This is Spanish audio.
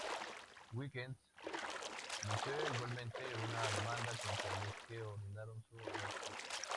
Wilkes inició igualmente una demanda contra los que ordenaron su arresto.